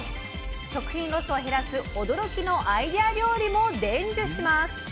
食品ロスを減らす驚きのアイデア料理も伝授します。